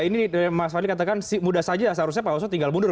ini mas fadli katakan mudah saja seharusnya pak oso tinggal mundur